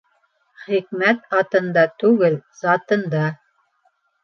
Хикмәт атында түгел, затында.